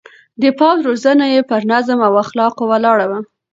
د پوځ روزنه يې پر نظم او اخلاقو ولاړه وه.